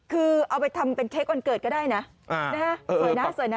คือเอาไปทำเป็นเค้กวันเกิดก็ได้นะสวยนะสวยนะ